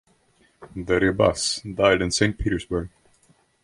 De Ribas died in Saint Petersburg.